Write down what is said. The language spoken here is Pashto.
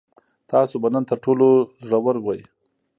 تاسو به نن تر ټولو زړور وئ.